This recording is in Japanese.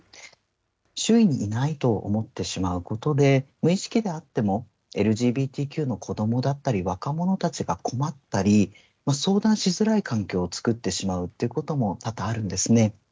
周囲にいないと思ってしまうことで、無意識であっても、ＬＧＢＴＱの子どもだったり若者たちが困ったり、相談しづらい環境を作ってしまうっていうことも多々あるんですね。